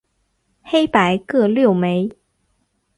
黑白各六枚。